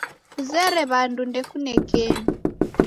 Kuzere w'andu ndekune kenyu.